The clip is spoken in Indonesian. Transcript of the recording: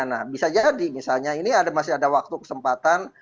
nah bisa jadi misalnya ini masih ada waktu kesempatan